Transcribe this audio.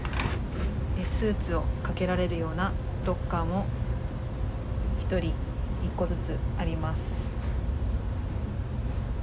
スーツをかけられるようなロッカーも１人１個ずつあります。